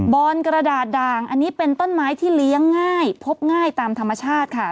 อนกระดาษด่างอันนี้เป็นต้นไม้ที่เลี้ยงง่ายพบง่ายตามธรรมชาติค่ะ